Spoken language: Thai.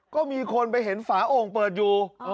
ก็มีคนไปเห็นฝาโอ่งเปิดอยู่